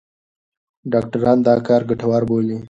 ډاکټران دا کار ګټور بولي.